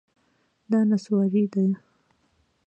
دا نسواري ده